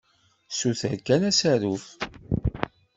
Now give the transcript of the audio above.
Ssuter kan asaruf.